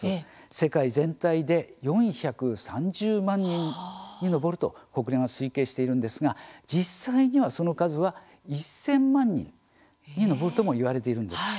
世界全体で４３０万人に上ると国連は推計しているんですが実際には、その数は１０００万人に上るともいわれているんです。